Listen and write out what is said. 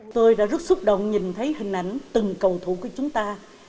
tôi đã rất xúc động nhìn thấy hình ảnh từng cầu thủ của chúng ta